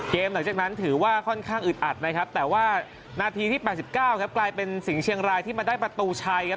หลังจากนั้นถือว่าค่อนข้างอึดอัดนะครับแต่ว่านาทีที่๘๙ครับกลายเป็นสิงห์เชียงรายที่มาได้ประตูชัยครับ